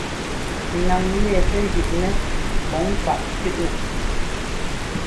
Naŋ yɛ pɛ́ jʉ́ꞌnɛ pɔŋ kwaꞌ shʉ́ꞌnɛ.